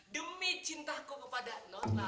demi cintaku kepada nona